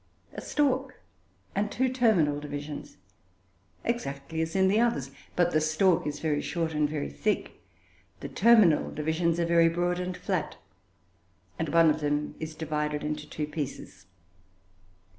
A stalk and two terminal divisions, exactly as in the others, but the stalk is very short and very thick, the terminal divisions are very broad and flat, and one of them is divided into two pieces.